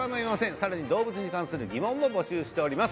さらに動物に関する疑問も募集しております